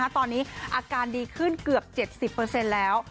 ตอนนี้อาการดีขึ้นเกือบ๗๐แล้ว